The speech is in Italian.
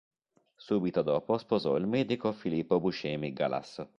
Subito dopo sposò il medico Filippo Buscemi Galasso.